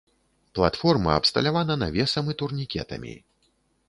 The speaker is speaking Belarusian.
Платформа абсталявана навесам і турнікетамі.